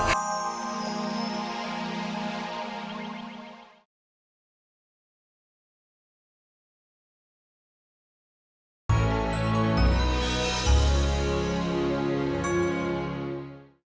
aku siap ngebantu